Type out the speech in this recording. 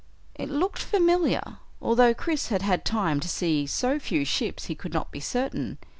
It looked familiar, although Chris had had time to see so few ships he could not be certain.